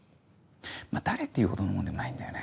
まぁ誰っていうほどのもんでもないんだよね。